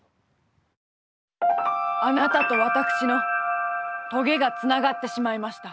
あなたと私の棘がつながってしまいました。